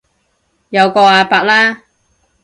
有個阿伯啦